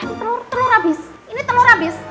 ini telur telur habis ini telur habis